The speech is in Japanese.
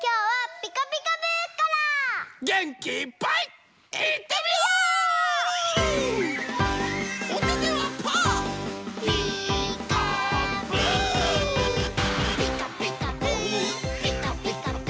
「ピカピカブ！ピカピカブ！」